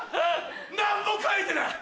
何も書いてない！